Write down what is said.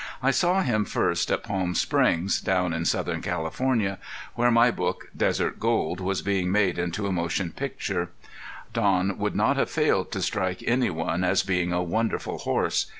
I saw him first at Palm Springs, down in southern California, where my book Desert Gold was being made into a motion picture. Don would not have failed to strike any one as being a wonderful horse.